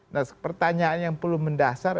nah pertanyaan yang perlu mendasar